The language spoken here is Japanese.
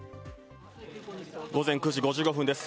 午前９時５５分です。